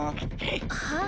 はあ。